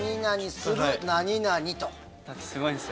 すごいんですよ